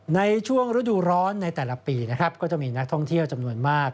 ในช่วงฤดูร้อนในแต่ละปีนะครับก็จะมีนักท่องเที่ยวจำนวนมาก